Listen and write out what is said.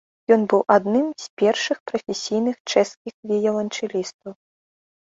Ён быў адным з першых прафесійных чэшскіх віяланчэлістаў.